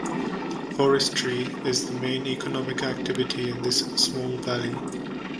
Forestry is the main economic activity in this small valley.